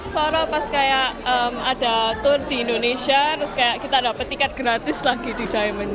soalnya pas kayak ada tour di indonesia terus kayak kita dapat tiket gratis lagi di diamond